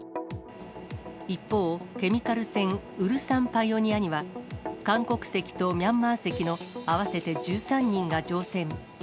一方、ケミカル船、ウルサン・パイオニアには、韓国籍とミャンマー籍の合わせて１３人が乗船。